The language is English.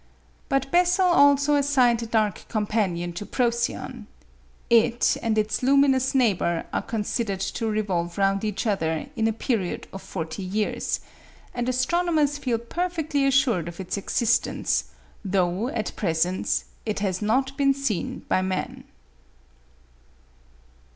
But Bessel also assigned a dark companion to Procyon. It and its luminous neighbour are considered to revolve round each other in a period of forty years, and astronomers feel perfectly assured of its existence, though at present it has not been seen by man.